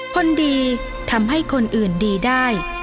คนดีทำให้คนอื่นดีได้